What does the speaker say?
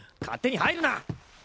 勝手に入るな！